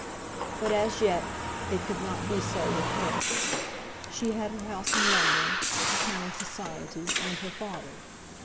But as yet it could not be so with her. She had her house in London, her town society, and her father.